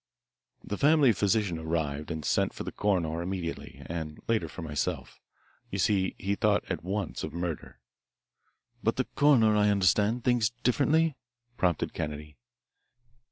"The family physician arrived and sent for the coroner immediately, and later for myself. You see, he thought at once of murder." "But the coroner, I understand, thinks differently," prompted Kennedy.